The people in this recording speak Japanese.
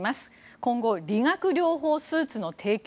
今後、理学療法スーツの提供